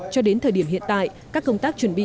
cho đến thời điểm hiện tại các công tác chuẩn bị